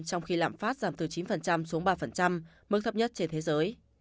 trong khi lạm phát giảm từ chín xuống ba mức thấp nhất trên thế giới